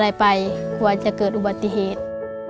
อะไรไปกลัวจะเกิดอุบัติเหตุ